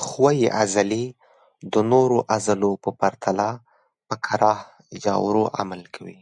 ښویې عضلې د نورو عضلو په پرتله په کراه یا ورو عمل کوي.